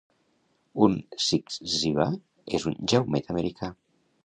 Un zyzzyva és un jaumet americà.